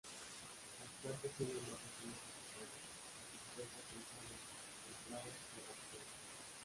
Las plantas tienen hojas gruesas y suaves, dispuestas en pares, postradas o rastreras.